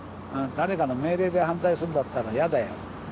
誰かの命令で反対するんだったら嫌だよ。